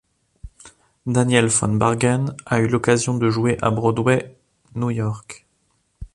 Daniel Von Bargen a eu l'occasion de jouer à Broadway, New York.